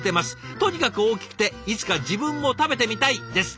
とにかく大きくていつか自分も食べてみたい」ですって！